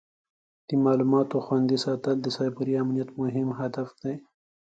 د معلوماتو خوندي ساتل د سایبري امنیت مهم هدف دی.